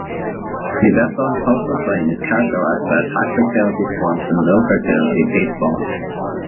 The Westland coastal plain is characterized by its high-fertility swamps and low-fertility peat bogs.